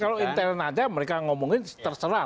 kalau intern saja mereka ngomongin terserah